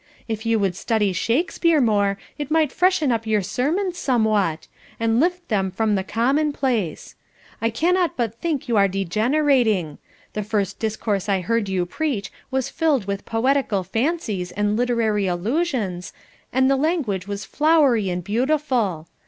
If you would study Shakespeare more, it might freshen up your sermons somewhat, and lift them from the commonplace. I cannot but think you are degenerating. The first discourse I heard you preach was filled with poetical fancies and literary allusions, and the language was flowery and beautiful.